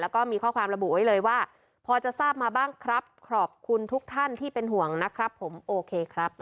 แล้วก็มีข้อความระบุไว้เลยว่าพอจะทราบมาบ้างครับขอบคุณทุกท่านที่เป็นห่วงนะครับผมโอเคครับ